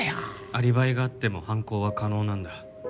アリバイがあっても犯行は可能なんだ。